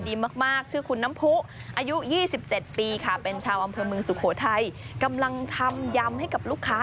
อยู่ใต้เชียงใหม่ลงมา